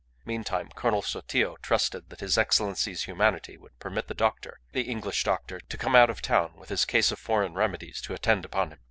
Meantime, Colonel Sotillo trusted that his Excellency's humanity would permit the doctor, the English doctor, to come out of town with his case of foreign remedies to attend upon him.